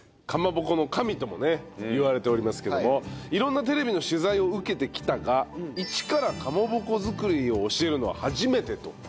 かまぼこの神ともねいわれておりますけども色んなテレビの取材を受けてきたがイチからかまぼこ作りを教えるのは初めてと。